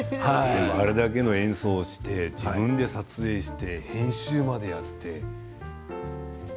あれだけの演奏をして自分で撮影して編集までやって。